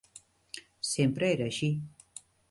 Sempre era així.